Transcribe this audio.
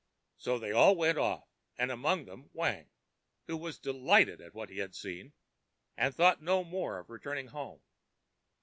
ã So they all went off, and among them Wang, who was delighted at what he had seen, and thought no more of returning home.